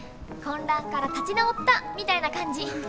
混乱から立ち直ったみたいな感じ。